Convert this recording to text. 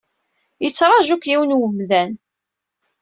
Yettṛaju-k yiwen n wemdan.